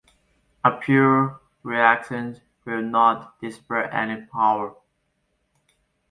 A pure reactance will not dissipate any power.